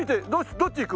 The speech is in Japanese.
どっち行く？